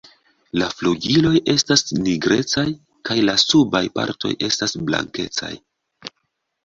La flugiloj estas nigrecaj kaj la subaj partoj estas blankecaj.